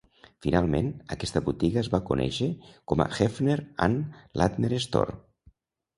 Finalment, aquesta botiga es va conèixer com "Heffner and Lattner Store".